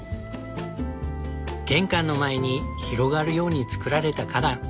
玄関の前に広がるように造られた花壇。